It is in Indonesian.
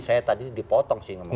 saya tadi dipotong sih